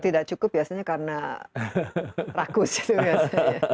tidak cukup biasanya karena rakus itu biasanya